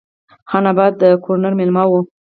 خان آباد د ګورنر مېلمه وم.